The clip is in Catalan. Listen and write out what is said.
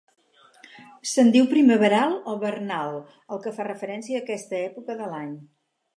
Se'n diu primaveral o vernal al que fa referència a aquesta època de l'any.